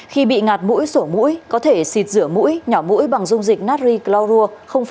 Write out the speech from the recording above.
khi bị ngạt mũi sổ mũi có thể xịt rửa mũi nhỏ mũi bằng dung dịch nari glorua chín